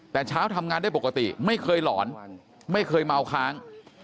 แต่เช้าทำงานได้ปกติไม่เคยหลอนไม่เคยเมาค้าง